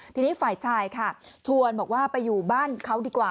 ทีนี้ฝ่ายชายค่ะชวนบอกว่าไปอยู่บ้านเขาดีกว่า